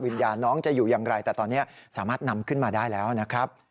วิญญาณน้องจะอยู่อย่างไรแต่ตอนนี้สามารถนำขึ้นมาได้แล้วนะครับ